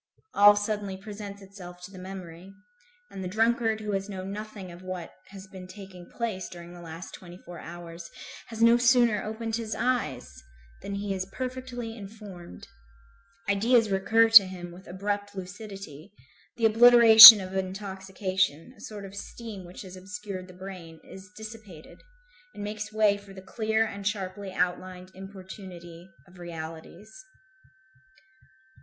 All suddenly presents itself to the memory; and the drunkard who has known nothing of what has been taking place during the last twenty four hours, has no sooner opened his eyes than he is perfectly informed. Ideas recur to him with abrupt lucidity; the obliteration of intoxication, a sort of steam which has obscured the brain, is dissipated, and makes way for the clear and sharply outlined importunity of realities.